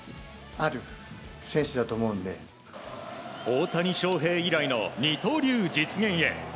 大谷翔平以来の二刀流実現へ。